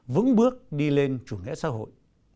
vững bước đi lên chủ nghĩa xã hội